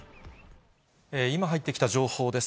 今入ってきた情報です。